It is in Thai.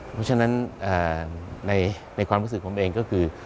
เพราะฉะนั้นในความรู้สึกผมเองก็คือ